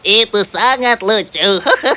itu sangat lucu